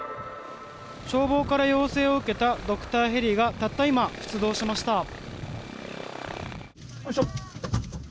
消防から要請を受けたドクターヘリがたった今出動しました。